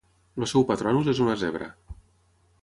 El seu patronus és una zebra.